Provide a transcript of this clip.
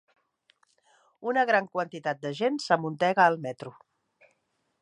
Una gran quantitat de gent s'amuntega al metro.